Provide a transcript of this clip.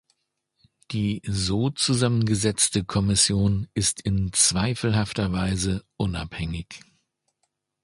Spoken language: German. Die so zusammengesetzte Kommission ist in zweifelhafter Weise "unabhängig".